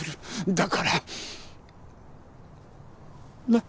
だからなっ？